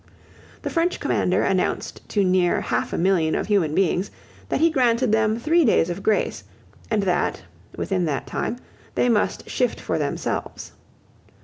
The French commander announced to near half a million of human beings that he granted them three days of grace, and that, within that time, they must shift for themselves.